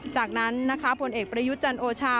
จากนั้นผลเอกภรรยุจรรโอชา